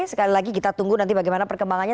sekali lagi kita tunggu nanti bagaimana perkembangannya